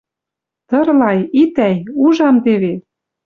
«Тырлай, итӓй, ужам теве!» —